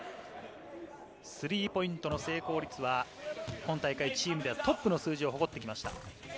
スリーポイントの成功率は今大会、チームでトップの数字を誇ってきました。